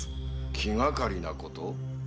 気がかりなこと？